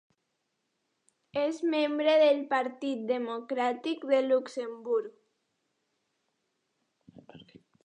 És membre del Partit Democràtic de Luxemburg.